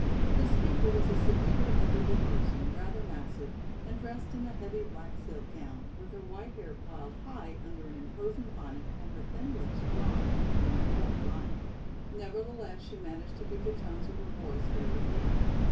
The speaker was a severe, elderly person, rather massive, and dressed in a heavy black silk gown, with her white hair piled high under an imposing bonnet and her thin lips drawn into an annoyed line. Nevertheless, she managed to keep the tones of her voice fairly even.